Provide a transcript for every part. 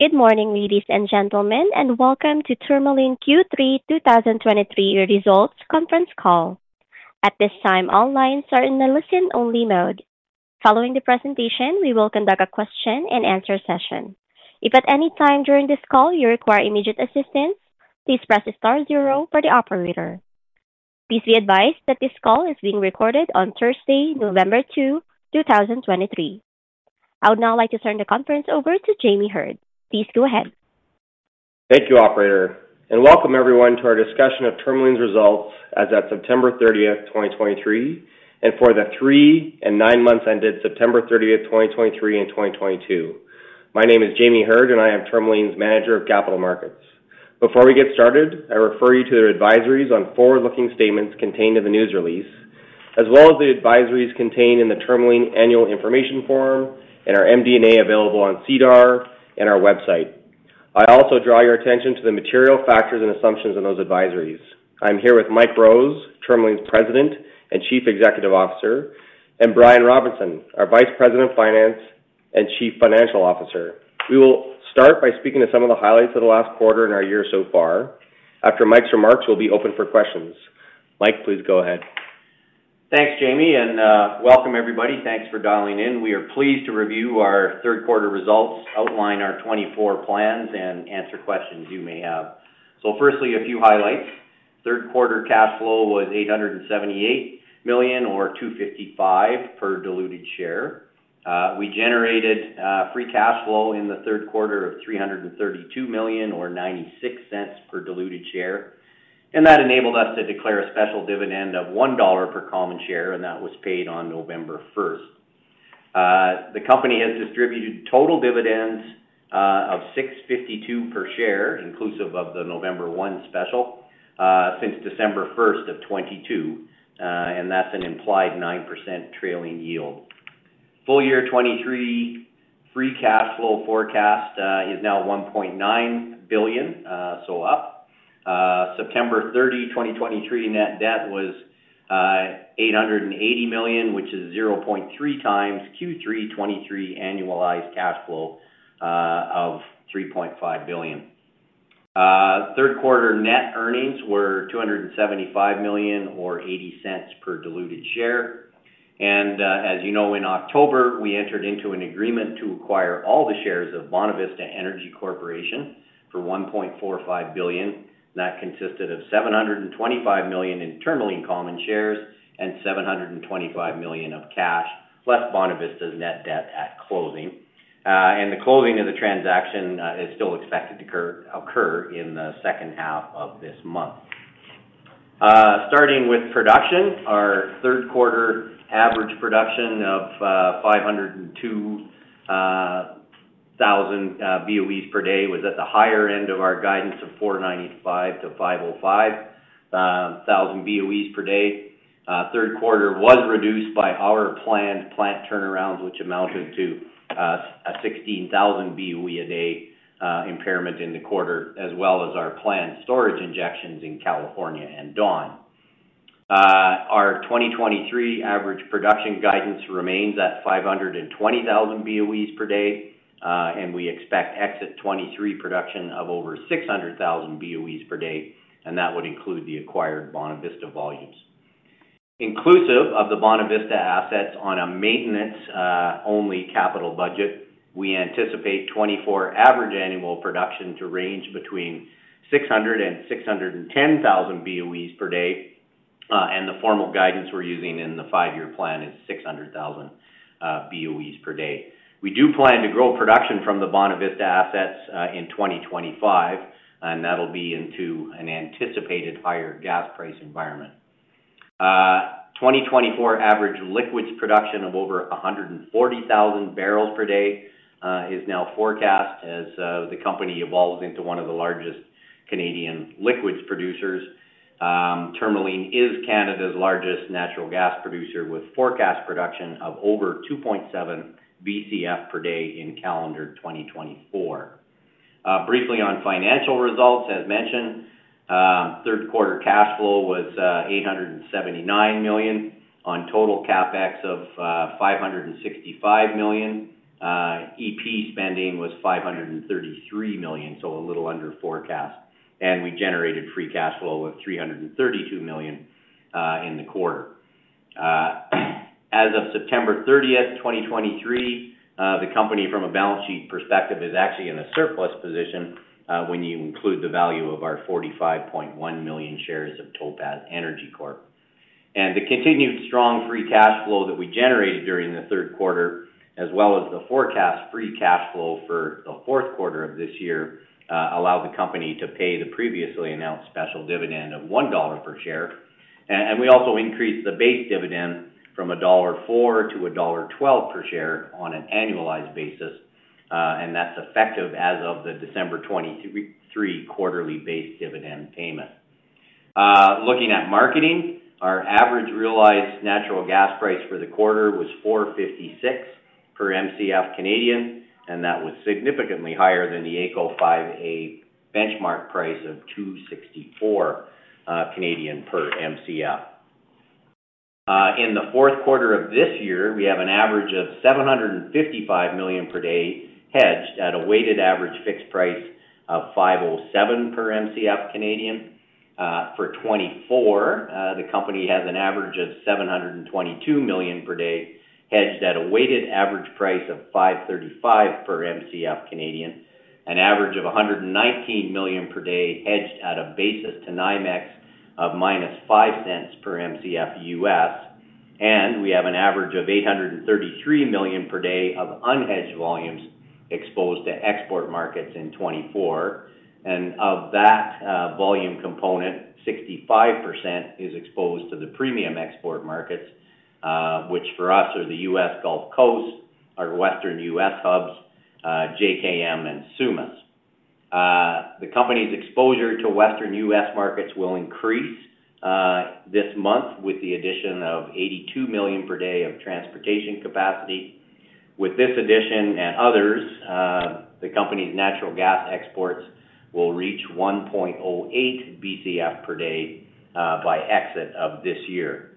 Good morning, ladies and gentlemen, and welcome to Tourmaline Q3 2023 Results Conference Call. At this time, all lines are in a listen-only mode. Following the presentation, we will conduct a question-and-answer session. If at any time during this call you require immediate assistance, please press star zero for the operator. Please be advised that this call is being recorded on Thursday, November 2, 2023. I would now like to turn the conference over to Jamie Heard. Please go ahead. Thank you, operator, and welcome everyone to our discussion of Tourmaline's results as at September thirtieth, twenty twenty-three, and for the three and nine months ended September thirtieth, twenty twenty-three and twenty twenty-two. My name is Jamie Heard, and I am Tourmaline's Manager of Capital Markets. Before we get started, I refer you to the advisories on forward-looking statements contained in the news release, as well as the advisories contained in the Tourmaline Annual Information Form and our MD&A available on SEDAR and our website. I also draw your attention to the material factors and assumptions in those advisories. I'm here with Mike Rose, Tourmaline's President and Chief Executive Officer, and Brian Robinson, our Vice President of Finance and Chief Financial Officer. We will start by speaking to some of the highlights of the last quarter and our year so far. After Mike's remarks, we'll be open for questions. Mike, please go ahead. Thanks, Jamie, and welcome, everybody. Thanks for dialing in. We are pleased to review our third quarter results, outline our 2024 plans, and answer questions you may have. So firstly, a few highlights. Third quarter cash flow was 878 million or 2.55 per diluted share. We generated free cash flow in the third quarter of 332 million, or 0.96 per diluted share, and that enabled us to declare a special dividend of 1 dollar per common share, and that was paid on November first. The company has distributed total dividends of 6.52 per share, inclusive of the November one special, since December first of 2022, and that's an implied 9% trailing yield. Full year 2023 free cash flow forecast is now 1.9 billion, so up. September 30, 2023, net debt was 880 million, which is 0.3x Q3 2023 annualized cash flow of 3.5 billion. Third quarter net earnings were 275 million or 0.80 per diluted share. As you know, in October, we entered into an agreement to acquire all the shares of Bonavista Energy Corporation for 1.45 billion. That consisted of 725 million in Tourmaline common shares and 725 million of cash, plus Bonavista's net debt at closing. And the closing of the transaction is still expected to occur in the second half of this month. Starting with production, our third quarter average production of 502,000 BOEs per day was at the higher end of our guidance of 495,000-505,000 BOEs per day. Third quarter was reduced by our planned plant turnarounds, which amounted to a 16,000 BOE a day impairment in the quarter, as well as our planned storage injections in California and Dawn. Our 2023 average production guidance remains at 520,000 BOEs per day, and we expect exit 2023 production of over 600,000 BOEs per day, and that would include the acquired Bonavista volumes. Inclusive of the Bonavista assets on a maintenance only capital budget, we anticipate 2024 average annual production to range between 600 and 610 thousand BOEs per day, and the formal guidance we're using in the five-year plan is 600 thousand BOEs per day. We do plan to grow production from the Bonavista assets in 2025, and that'll be into an anticipated higher gas price environment. 2024 average liquids production of over 140,000 barrels per day is now forecast as the company evolves into one of the largest Canadian liquids producers. Tourmaline is Canada's largest natural gas producer, with forecast production of over 2.7 Bcf per day in calendar 2024. Briefly on financial results, as mentioned, third quarter cash flow was 879 million on total CapEx of 565 million. EP spending was 533 million, so a little under forecast, and we generated free cash flow of 332 million in the quarter. As of September 30, 2023, the company, from a balance sheet perspective, is actually in a surplus position when you include the value of our 45.1 million shares of Topaz Energy Corp. The continued strong free cash flow that we generated during the third quarter, as well as the forecast free cash flow for the fourth quarter of this year, allowed the company to pay the previously announced special dividend of 1 dollar per share. And we also increased the base dividend from dollar 1.04 to dollar 1.12 per share on an annualized basis, and that's effective as of the December 2023 quarterly base dividend payment. Looking at marketing, our average realized natural gas price for the quarter was 4.56 per Mcf Canadian, and that was significantly higher than the AECO 5A benchmark price of 2.64 Canadian per Mcf. In the fourth quarter of this year, we have an average of 755 million per day hedged at a weighted average fixed price of 5.07 per Mcf Canadian. For 2024, the company has an average of 722 million per day, hedged at a weighted average price of 5.35 per Mcf Canadian, an average of 119 million per day, hedged at a basis to NYMEX of -$0.05 per Mcf US. We have an average of 833 million per day of unhedged volumes exposed to export markets in 2024. Of that, volume component, 65% is exposed to the premium export markets, which for us are the U.S. Gulf Coast, our Western U.S. hubs, JKM and Sumas. The company's exposure to Western U.S. markets will increase this month with the addition of 82 million per day of transportation capacity. With this addition and others, the company's natural gas exports will reach 1.08 Bcf per day by exit of this year.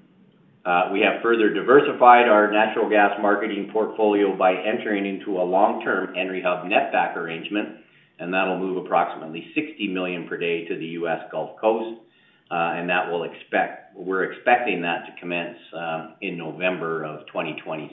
We have further diversified our natural gas marketing portfolio by entering into a long-term Henry Hub netback arrangement, and that'll move approximately 60 million per day to the U.S. Gulf Coast, and we're expecting that to commence in November 2026.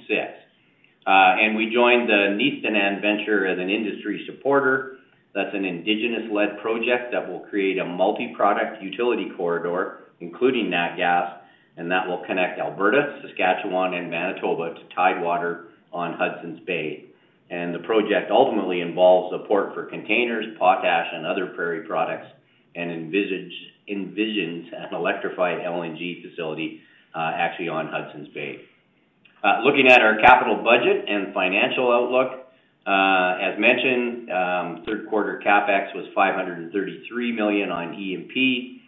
We joined the NeeStaNan Venture as an industry supporter. That's an indigenous-led project that will create a multi-product utility corridor, including nat gas, and that will connect Alberta, Saskatchewan, and Manitoba to Tidewater on Hudson Bay. The project ultimately involves support for containers, potash, and other prairie products, and envisions an electrified LNG facility, actually, on Hudson Bay. Looking at our capital budget and financial outlook, as mentioned, third quarter CapEx was 533 million on E&P.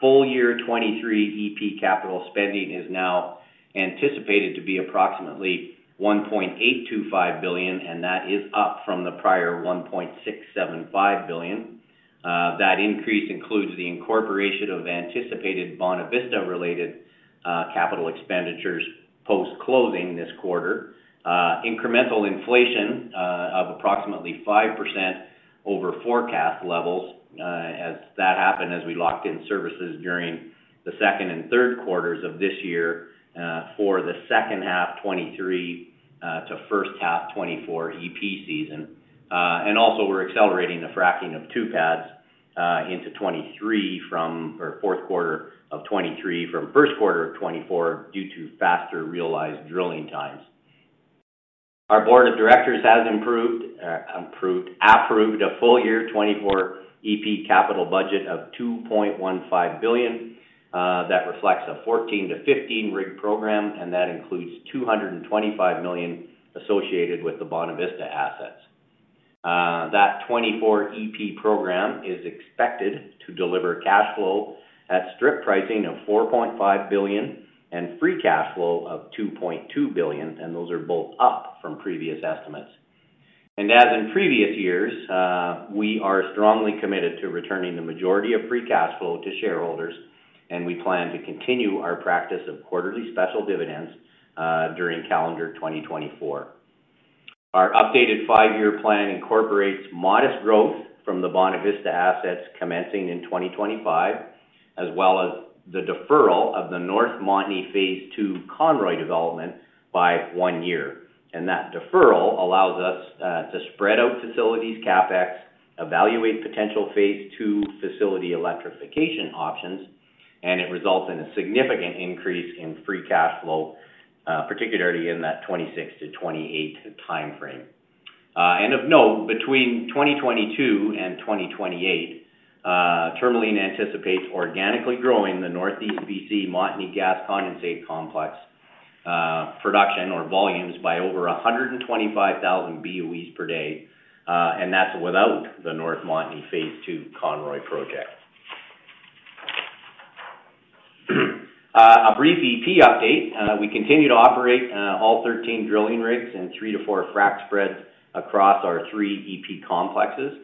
Full year 2023 EP capital spending is now anticipated to be approximately 1.825 billion, and that is up from the prior 1.675 billion. That increase includes the incorporation of anticipated Bonavista-related capital expenditures post-closing this quarter. Incremental inflation of approximately 5% over forecast levels, as that happened as we locked in services during the second and third quarters of this year, for the second half 2023, to first half 2024 EP season. And also we're accelerating the fracking of two pads into 2023 from or fourth quarter of 2023, from first quarter of 2024 due to faster realized drilling times. Our board of directors has approved a full-year 2024 E&P capital budget of 2.15 billion. That reflects a 14-15 rig program, and that includes 225 million associated with the Bonavista assets. That 2024 E&P program is expected to deliver cash flow at strip pricing of 4.5 billion and free cash flow of 2.2 billion, and those are both up from previous estimates. And as in previous years, we are strongly committed to returning the majority of free cash flow to shareholders, and we plan to continue our practice of quarterly special dividends during calendar 2024. Our updated 5-year plan incorporates modest growth from the Bonavista assets commencing in 2025, as well as the deferral of the North Montney phase II Conroy development by one year. That deferral allows us to spread out facilities, CapEx, evaluate potential phase II facility electrification options, and it results in a significant increase in free cash flow, particularly in that 2026-2028 timeframe. Of note, between 2022 and 2028, Tourmaline anticipates organically growing the Northeast BC Montney gas condensate complex production or volumes by over 125,000 BOEs per day, and that's without the North Montney phase II Conroy project. A brief EP update. We continue to operate all 13 drilling rigs and 3-4 frack spreads across our three EP complexes,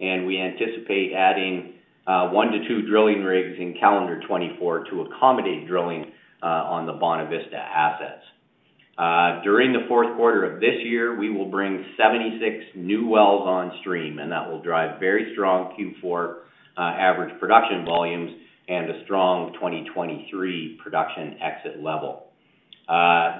and we anticipate adding 1-2 drilling rigs in calendar 2024 to accommodate drilling on the Bonavista assets. During the fourth quarter of this year, we will bring 76 new wells on stream, and that will drive very strong Q4 average production volumes and a strong 2023 production exit level.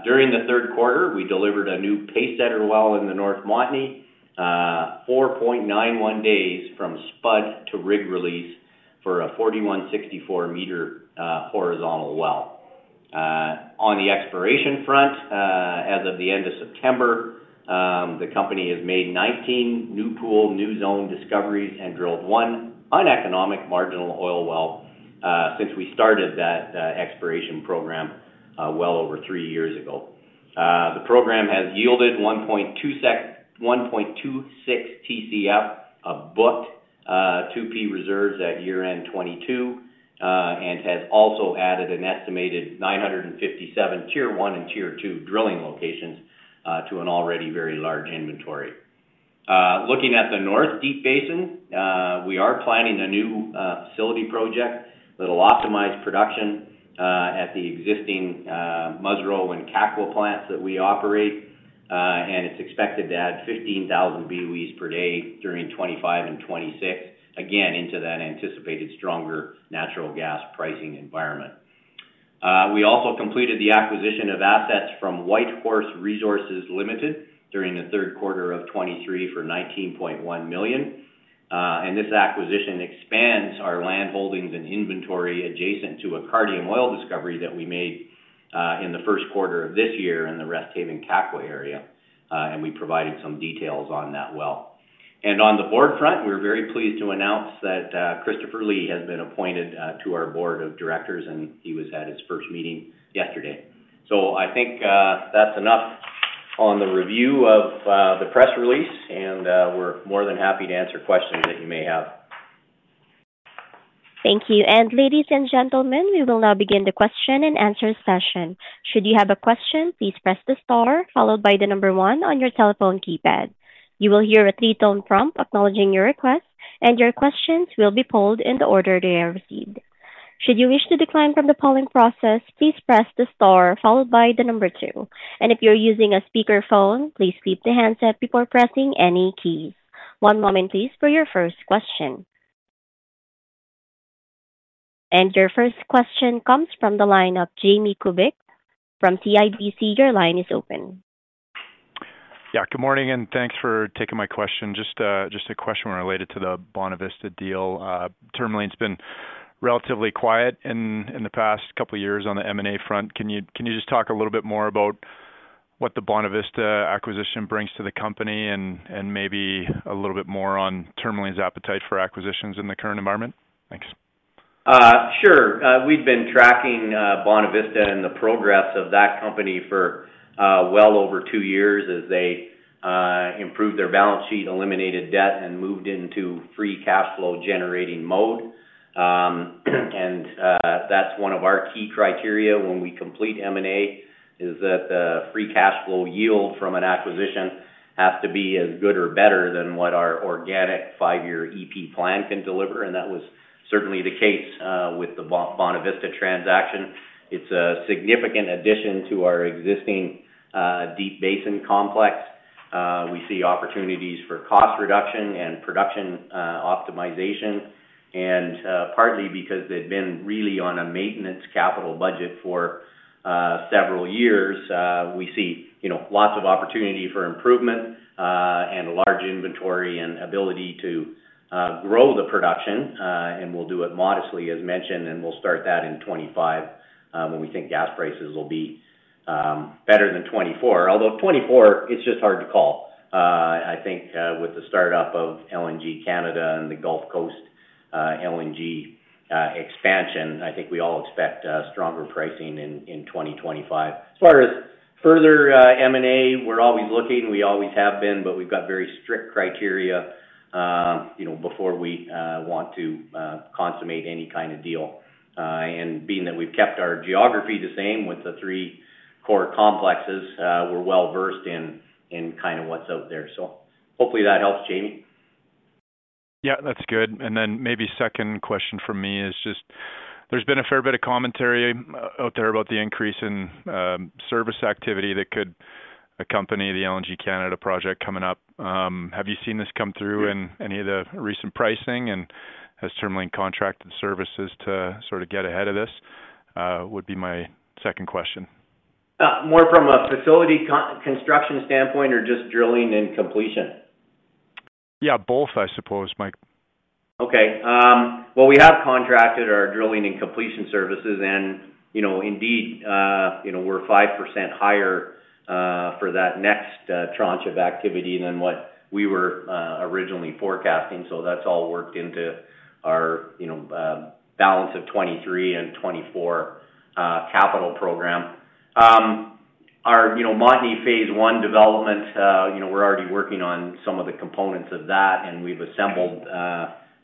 During the third quarter, we delivered a new pace setter well in the North Montney, 4.91 days from spud to rig release for a 4,164-meter horizontal well. On the exploration front, as of the end of September, the company has made 19 new pool, new zone discoveries and drilled one uneconomic marginal oil well, since we started that exploration program, well over three years ago. The program has yielded 1.26 TCF of booked 2P reserves at year-end 2022, and has also added an estimated 957 Tier 1 and Tier 2 drilling locations to an already very large inventory. Looking at the North Deep Basin, we are planning a new facility project that will optimize production at the existing Muskeg and Kakwa plants that we operate. It's expected to add 15,000 BOEs per day during 2025 and 2026, again, into that anticipated stronger natural gas pricing environment. We also completed the acquisition of assets from Whitecap Resources Limited during the third quarter of 2023 for 19.1 million. And this acquisition expands our land holdings and inventory adjacent to a Cardium oil discovery that we made in the first quarter of this year in the Resthaven Kakwa area. And we provided some details on that well. On the board front, we're very pleased to announce that Christopher Lee has been appointed to our board of directors, and he was at his first meeting yesterday. So I think that's enough on the review of the press release, and we're more than happy to answer questions that you may have. Thank you. Ladies and gentlemen, we will now begin the question and answer session. Should you have a question, please press the star followed by 1 on your telephone keypad. You will hear a three-tone prompt acknowledging your request, and your questions will be polled in the order they are received. Should you wish to decline from the polling process, please press the star followed by 2. If you're using a speakerphone, please keep the handset before pressing any keys. One moment, please, for your first question. Your first question comes from the line of Jamie Kubik from CIBC. Your line is open. Yeah, good morning, and thanks for taking my question. Just, just a question related to the Bonavista deal. Tourmaline's been relatively quiet in, in the past couple of years on the M&A front. Can you, can you just talk a little bit more about what the Bonavista acquisition brings to the company and, and maybe a little bit more on Tourmaline's appetite for acquisitions in the current environment? Thanks. Sure. We've been tracking Bonavista and the progress of that company for well over two years as they improved their balance sheet, eliminated debt, and moved into free cash flow generating mode. And that's one of our key criteria when we complete M&A, is that the free cash flow yield from an acquisition has to be as good or better than what our organic five-year EP plan can deliver, and that was certainly the case with the Bonavista transaction. It's a significant addition to our existing Deep Basin complex. We see opportunities for cost reduction and production optimization. And partly because they've been really on a maintenance capital budget for several years, we see, you know, lots of opportunity for improvement and a large inventory and ability to grow the production. We'll do it modestly, as mentioned, and we'll start that in 2025, when we think gas prices will be better than 2024. Although 2024, it's just hard to call. I think, with the start-up of LNG Canada and the Gulf Coast LNG expansion, I think we all expect stronger pricing in 2025. As far as further M&A, we're always looking. We always have been, but we've got very strict criteria, you know, before we want to consummate any kind of deal. And being that we've kept our geography the same with the three core complexes, we're well versed in kind of what's out there. So hopefully that helps, Jamie. Yeah, that's good. And then maybe second question from me is just... There's been a fair bit of commentary out there about the increase in service activity that could accompany the LNG Canada project coming up. Have you seen this come through in any of the recent pricing, and has Tourmaline contracted services to sort of get ahead of this? Would be my second question. More from a facility construction standpoint or just drilling and completion? Yeah, both, I suppose, Mike. Okay. Well, we have contracted our drilling and completion services and, you know, indeed, you know, we're 5% higher for that next tranche of activity than what we were originally forecasting. So that's all worked into our, you know, balance of 2023 and 2024 capital program. Our, you know, Montney phase I development, you know, we're already working on some of the components of that, and we've assembled,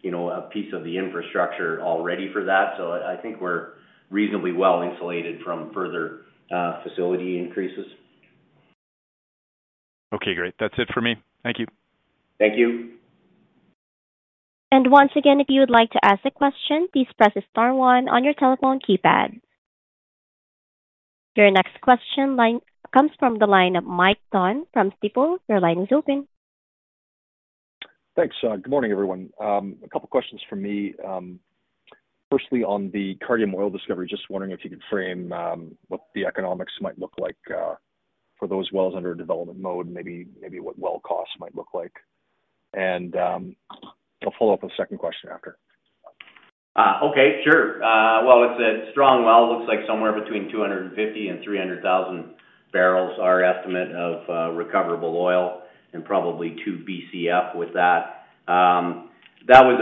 you know, a piece of the infrastructure already for that. So I think we're reasonably well insulated from further facility increases. Okay, great. That's it for me. Thank you. Thank you. And once again, if you would like to ask a question, please press star one on your telephone keypad. Your next question line comes from the line of Mike Dunn from Stifel. Your line is open. Thanks. Good morning, everyone. A couple questions from me. Firstly, on the Cardium oil discovery, just wondering if you could frame what the economics might look like for those wells under development mode, maybe what well costs might look like. I'll follow up with a second question after. Okay, sure. Well, it's a strong well. Looks like somewhere between 250 and 300,000 barrels, our estimate of recoverable oil, and probably 2 Bcf with that. That was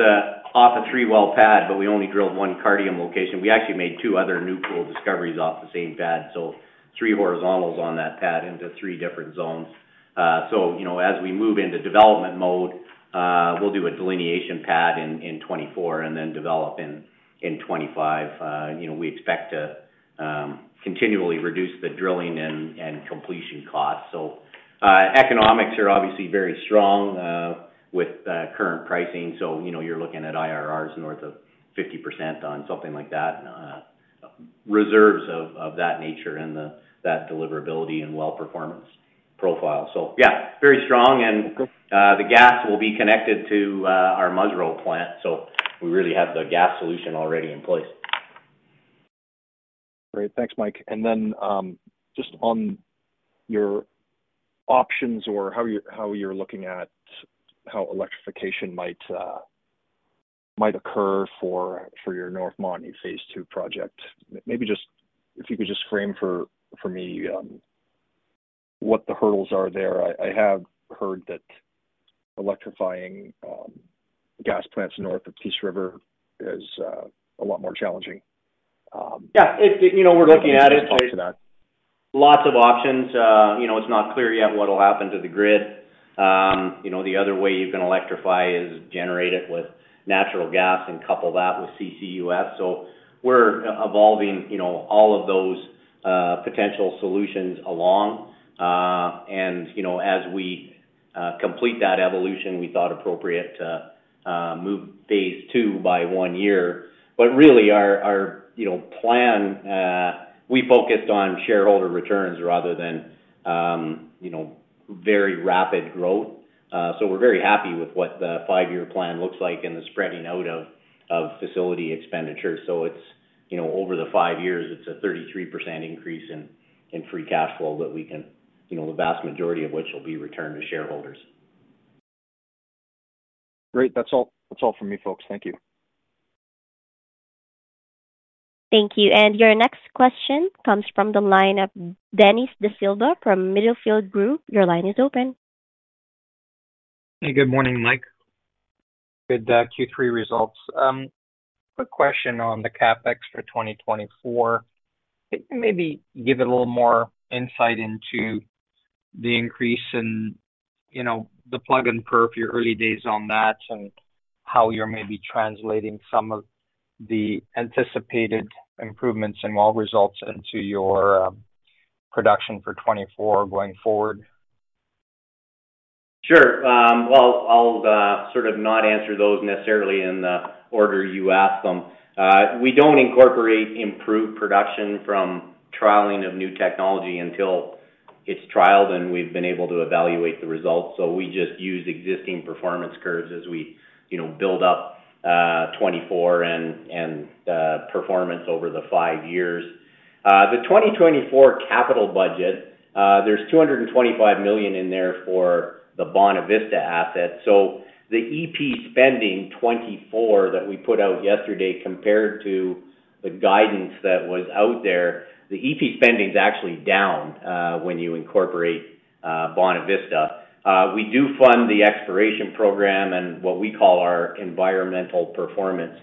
off a 3-well pad, but we only drilled one Cardium location. We actually made two other new pool discoveries off the same pad, so three horizontals on that pad into three different zones. So, you know, as we move into development mode... We'll do a delineation pad in 2024 and then develop in 2025. You know, we expect to continually reduce the drilling and completion costs. So, economics are obviously very strong with current pricing, so, you know, you're looking at IRRs north of 50% on something like that, reserves of that nature and that deliverability and well performance profile. So yeah, very strong and the gas will be connected to our Muskeg plant, so we really have the gas solution already in place. Great. Thanks, Mike. And then, just on your options or how you're looking at how electrification might occur for your North Montney phase II project. Maybe just... If you could just frame for me what the hurdles are there. I have heard that electrifying gas plants north of Peace River is a lot more challenging. Yeah, you know, we're looking at it... Talk to that. Lots of options. You know, it's not clear yet what'll happen to the grid. You know, the other way you can electrify is generate it with natural gas and couple that with CCUS. So we're evolving, you know, all of those potential solutions along. And, you know, as we complete that evolution, we thought appropriate to move phase II by oneyear. But really, our plan, we focused on shareholder returns rather than, you know, very rapid growth. So we're very happy with what the five-year plan looks like and the spreading out of facility expenditures. So it's, you know, over the five years, it's a 33% increase in free cash flow that we can, you know, the vast majority of which will be returned to shareholders. Great. That's all. That's all for me, folks. Thank you. Thank you. And your next question comes from the line of Dennis da Silva from Middlefield Group. Your line is open. Hey, good morning, Mike. Good Q3 results. Quick question on the CapEx for 2024. Can you maybe give a little more insight into the increase in, you know, the plug and perf, your early days on that, and how you're maybe translating some of the anticipated improvements in well results into your production for 2024 going forward? Sure. Well, I'll sort of not answer those necessarily in the order you asked them. We don't incorporate improved production from trialing of new technology until it's trialed and we've been able to evaluate the results. So we just use existing performance curves as we, you know, build up 2024 and performance over the five years. The 2024 capital budget, there's 225 million in there for the Bonavista asset. So the EP spending 2024 that we put out yesterday, compared to the guidance that was out there, the EP spending is actually down when you incorporate Bonavista. We do fund the exploration program and what we call our environmental performance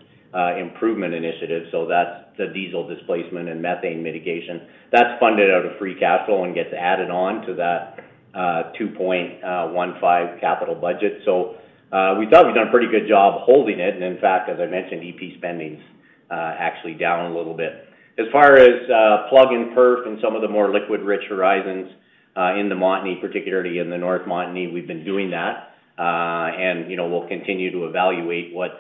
improvement initiative. So that's the diesel displacement and methane mitigation. That's funded out of free cash flow and gets added on to that, 2.15 capital budget. So, we thought we've done a pretty good job holding it, and in fact, as I mentioned, EP spending's actually down a little bit. As far as plug and perf and some of the more liquid-rich horizons in the Montney, particularly in the North Montney, we've been doing that. And, you know, we'll continue to evaluate what's,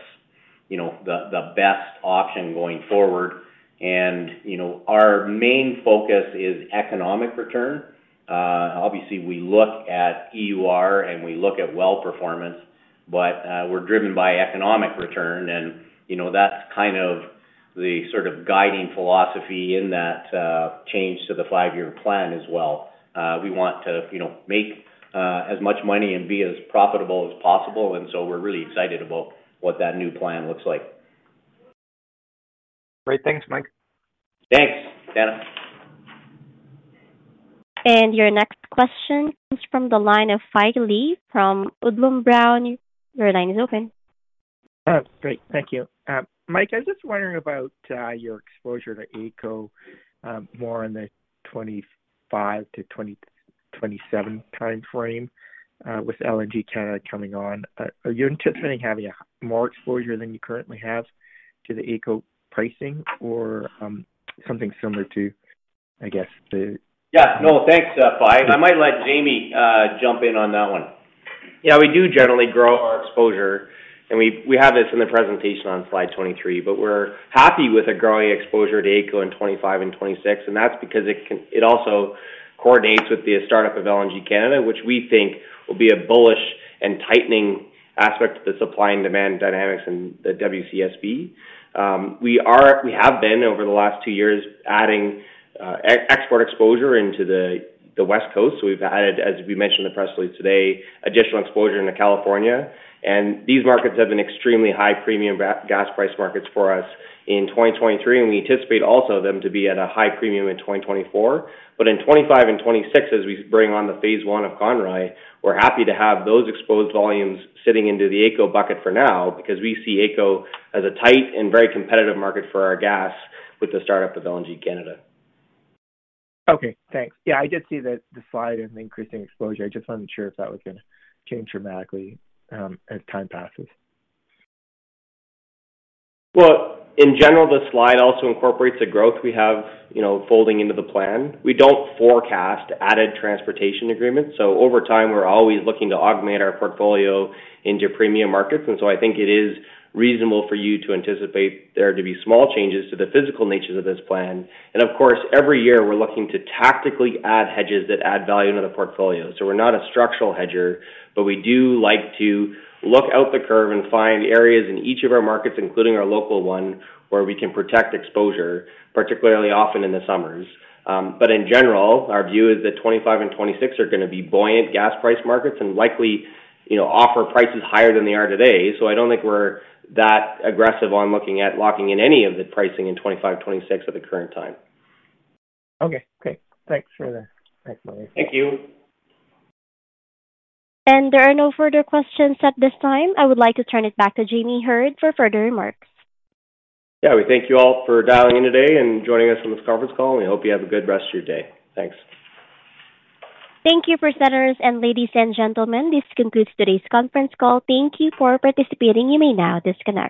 you know, the, the best option going forward. And, you know, our main focus is economic return. Obviously, we look at EUR and we look at well performance, but, we're driven by economic return and, you know, that's kind of the sort of guiding philosophy in that change to the five-year plan as well. We want to, you know, make as much money and be as profitable as possible, and so we're really excited about what that new plan looks like. Great. Thanks, Mike. Thanks, Dennis. And your next question comes from the line of Fai Lee from Odlum Brown. Your line is open. Great, thank you. Mike, I was just wondering about your exposure to AECO, more in the 2025-2027 time frame, with LNG Canada coming on. Are you anticipating having more exposure than you currently have to the AECO pricing or something similar to, I guess, the- Yeah. No, thanks, Fai. I might let Jamie jump in on that one. Yeah, we do generally grow our exposure, and we have this in the presentation on slide 23, but we're happy with a growing exposure to AECO in 25 and 26, and that's because it also coordinates with the startup of LNG Canada, which we think will be a bullish and tightening aspect of the supply and demand dynamics in the WCSB. We have been, over the last two years, adding export exposure into the West Coast. So we've added, as we mentioned in the press release today, additional exposure into California, and these markets have been extremely high premium gas price markets for us in 2023, and we anticipate also them to be at a high premium in 2024. But in 2025 and 2026, as we bring on the phase I of Conroy, we're happy to have those exposed volumes sitting into the AECO bucket for now, because we see AECO as a tight and very competitive market for our gas with the startup of LNG Canada. Okay, thanks. Yeah, I did see the slide and the increasing exposure. I just wasn't sure if that was gonna change dramatically, as time passes. Well, in general, the slide also incorporates the growth we have, you know, folding into the plan. We don't forecast added transportation agreements, so over time, we're always looking to augment our portfolio into premium markets. And so I think it is reasonable for you to anticipate there to be small changes to the physical nature of this plan. And of course, every year we're looking to tactically add hedges that add value to the portfolio. So we're not a structural hedger, but we do like to look out the curve and find areas in each of our markets, including our local one, where we can protect exposure, particularly often in the summers. But in general, our view is that 2025 and 2026 are gonna be buoyant gas price markets and likely, you know, offer prices higher than they are today. I don't think we're that aggressive on looking at locking in any of the pricing in 2025, 2026 at the current time. Okay, great. Thanks for that. Thanks, Mike. Thank you. There are no further questions at this time. I would like to turn it back to Jamie Heard for further remarks. Yeah, we thank you all for dialing in today and joining us on this conference call, and we hope you have a good rest of your day. Thanks. Thank you, presenters and ladies and gentlemen, this concludes today's conference call. Thank you for participating. You may now disconnect.